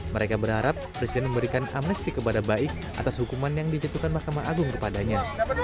mereka berharap presiden memberikan amnesti kepada baik atas hukuman yang dijatuhkan mahkamah agung kepadanya